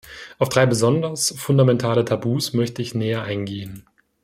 Auf drei besonders fundamentale Tabus möchte ich näher eingehen.